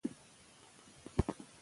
د ارواښاد مومند صیب د پښتو ګرانه ده لیک